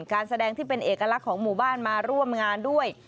การแสดงที่เป็นเอกลักษณ์ของหมู่บ้านมาร่วมงานด้วย